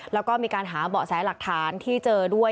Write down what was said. แล้วก็มีการหาเบาะแสหลักฐานที่เจอด้วย